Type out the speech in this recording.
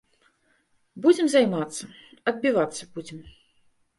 Будзем займацца, адбівацца будзем.